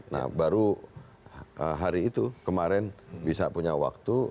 nah baru hari itu kemarin bisa punya waktu